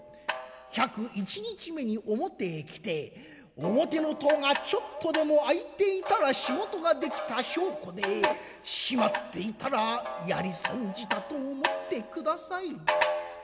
１０１日目に表へ来て表の戸がちょっとでも開いていたら仕事ができた証拠で閉まっていたらやり損じたと思ってください」。